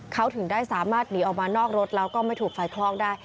เขาถึงได้สามารถหนีออกมานอกรถแล้วก็ไม่ถูกไฟคลอกได้